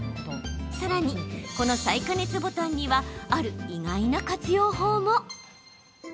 さらにこの再加熱ボタンにはある意外な活用法も。